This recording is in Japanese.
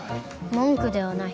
文句ではない。